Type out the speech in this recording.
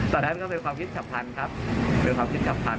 ตอนนั้นก็เป็นความคิดสัมพันธ์ครับเป็นความคิดสัมพันธ